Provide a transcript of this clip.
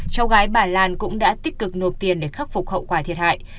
cháu gái bà lan cũng đã tích cực nộp tiền để khắc phục hậu quả thiệt hại